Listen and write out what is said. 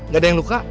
gak ada yang ku luka